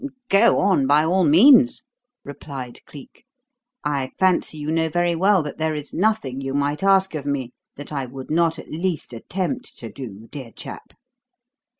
"Go on by all means," replied Cleek. "I fancy you know very well that there is nothing you might ask of me that I would not at least attempt to do, dear chap."